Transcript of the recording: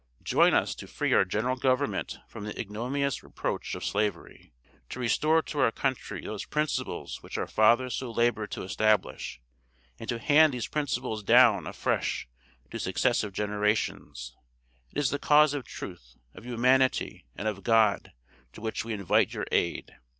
Join us to free our General Government from the ignominious reproach of slavery; to restore to our country those principles which our fathers so labored to establish; and to hand these principles down afresh to successive generations. It is the cause of truth, of humanity, and of God, to which we invite your aid.